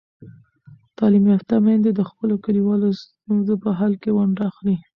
تعلیم یافته میندې د خپلو کلیوالو ستونزو په حل کې ونډه اخلي.